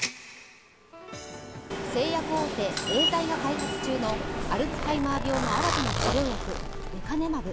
製薬大手・エーザイが開発中のアルツハイマー病の新たな治療薬レカネマブ。